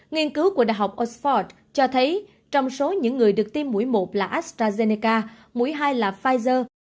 nghiên cứu của đại học oxford cho thấy trong số những người được tiêm mũi một là astrazeneca mũi hai là pfizer